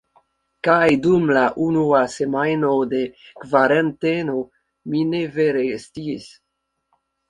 Kaj dum la unua semajno de kvaranteno mi ne vere sciis